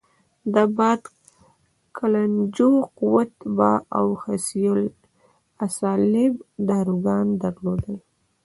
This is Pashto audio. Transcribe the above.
د باد کلنجو، قوت باه او خصیه الصعالب داروګان درلودل.